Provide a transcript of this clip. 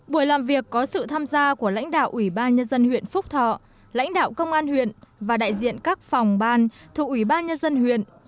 buổi làm việc có sự tham gia của lãnh đạo ủy ban nhân dân huyện phúc thọ lãnh đạo công an huyện và đại diện các phòng ban thuộc ủy ban nhân dân huyện